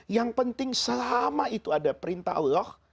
yang penting selama itu ada perintah allah